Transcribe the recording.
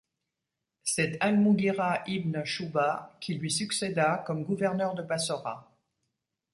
C'est al-Mughīrah ibn Shu‘bah qui lui succéda comme gouverneur de Bassora.